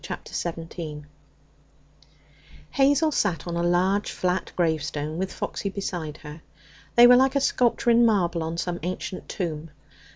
Chapter 17 Hazel sat on a large flat gravestone with Foxy beside her. They were like a sculpture in marble on some ancient tomb.